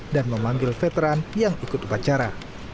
dan memanggil veteran yang ikut upacara